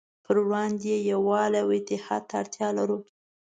پروړاندې یې يووالي او اتحاد ته اړتیا لرو.